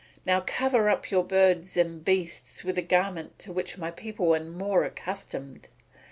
Now cover up your birds and beasts with a garment to which my people are more accustomed."